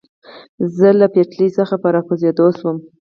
زه له پټلۍ څخه په را کوزېدو شوم.